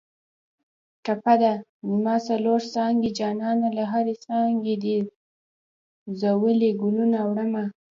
ټپه ده: زما څلور څانګې جانانه له هرې څانګې دې ځولۍ ګلونه وړمه